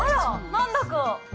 何だか。